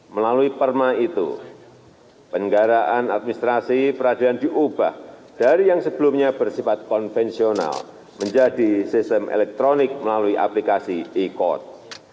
melalui perma itu penggaraan administrasi peradilan diubah dari yang sebelumnya bersifat konvensional menjadi sistem elektronik melalui aplikasi e court